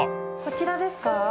こちらですか？